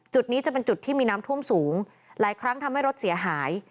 จุดนี้จะเป็นจุดที่มีน้ำท่วมสูงหลายครั้งทำให้รถเสียหาย